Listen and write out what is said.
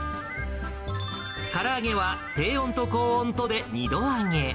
から揚げは、低温と高温とで２度揚げ。